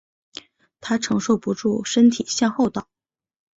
她承受不住身体向后倒